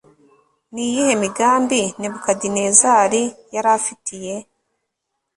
Ni iyihe migambi Nebukadinezari yari afitiye